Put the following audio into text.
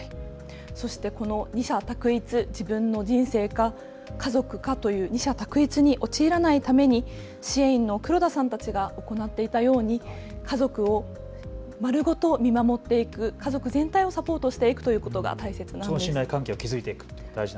この二者択一、自分の人生か家族かという二者択一に陥らないように支援員の黒田さんたちが行っていたように家族を丸ごと見守っていく、家族全体をサポートしていくというのが大事なんです。